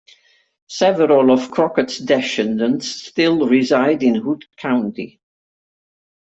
Several of Crockett's descendants still reside in Hood County.